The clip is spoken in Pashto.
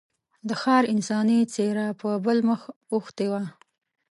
د ښار انساني څېره په بل مخ اوښتې وه.